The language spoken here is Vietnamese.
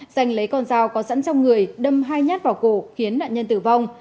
danh lấy con dao có dẫn trong người đâm hai nhát vào cổ khiến nạn nhân tử vong